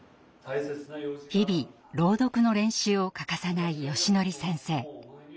日々朗読の練習を欠かさないよしのり先生。